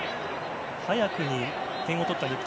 早くに点を取った日本。